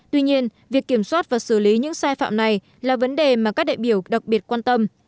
tuy nhiên việc kiểm soát và xử lý những sai phạm này là vấn đề mà các đại biểu đặc biệt quan tâm